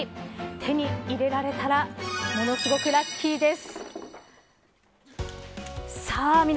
手に入れられたらものすごくラッキーです。